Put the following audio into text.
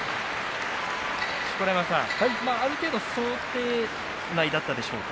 錣山さん、ある程度想定内だったでしょうか。